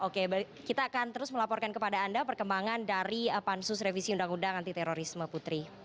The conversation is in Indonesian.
oke kita akan terus melaporkan kepada anda perkembangan dari pansus revisi undang undang anti terorisme putri